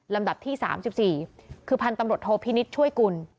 ลำดับที่๓๔คือพันธุ์ตำรวจโทพินิษฐ์ช่วยกุล